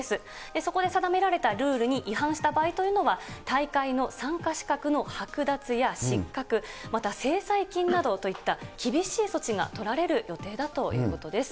そこで定められたルールに違反した場合というのは、大会の参加資格のはく奪や失格、また制裁金などといった厳しい措置が取られる予定だということです。